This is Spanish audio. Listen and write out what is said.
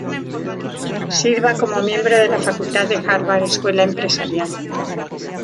Sirva como miembro de la facultad de Harvard Escuela Empresarial.